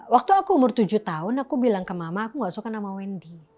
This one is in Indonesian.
waktu aku umur tujuh tahun aku bilang ke mama aku gak suka nama wendy